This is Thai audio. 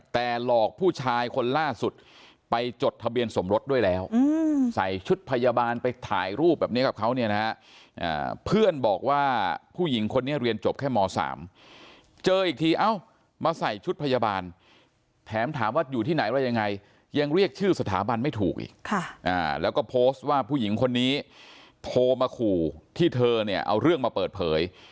แต่หลอกผู้ชายคนล่าสุดไปจดทะเบียนสมรสด้วยแล้วใส่ชุดพยาบาลไปถ่ายรูปแบบนี้กับเขาเนี่ยนะฮะเพื่อนบอกว่าผู้หญิงคนนี้เรียนจบแค่ม๓เจออีกทีเอ้ามาใส่ชุดพยาบาลแถมถามว่าอยู่ที่ไหนว่ายังไงยังเรียกชื่อสถาบันไม่ถูกอีกแล้วก็โพสต์ว่าผู้หญิงคนนี้โทรมาขู่ที่เธอเนี่ยเอาเรื่องมาเปิดเผย